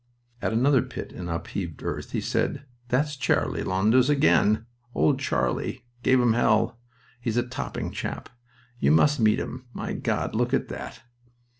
At another pit in upheaved earth he said: "That's Charlie Lowndes again... Old Charlie gave 'em hell. He's a topping chap. You must meet him... My God! look at that!"